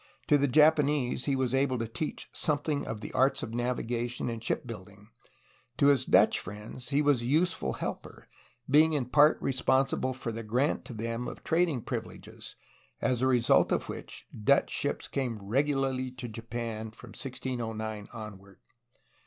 To the Japanese he was able to teach something of the arts of navigation and ship building. To his Dutch friends he was a useful helper, being in part responsible for the grant to them of trading privi leges, as a result of which Dutch ships came regularly to Japan from 1609 onward.